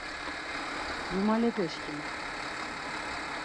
Cumalepe-şǩimi…